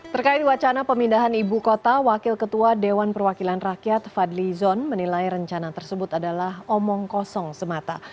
terkait wacana pemindahan ibu kota wakil ketua dewan perwakilan rakyat fadli zon menilai rencana tersebut adalah omong kosong semata